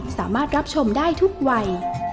สามารถรับชมได้ทุกวัย